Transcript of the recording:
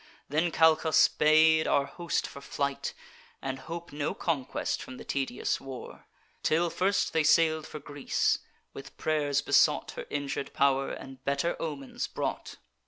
Then Calchas bade our host for flight And hope no conquest from the tedious war, Till first they sail'd for Greece; with pray'rs besought Her injur'd pow'r, and better omens brought.